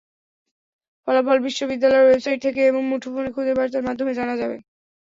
ফলাফল বিশ্ববিদ্যালয়ের ওয়েবসাইট থেকে এবং মুঠোফোনে খুদে বার্তার মাধ্যমে জানা যাবে।